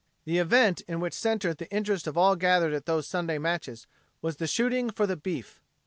The event in which centered the interest of all gathered at those Saturday matches, was the shooting for the beef.